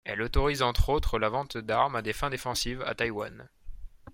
Elle autorise entre autres la vente d'armes à des fins défensives à Taïwan.